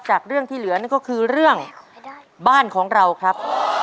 จากเรื่องที่เหลือนั่นก็คือเรื่องบ้านของเราครับ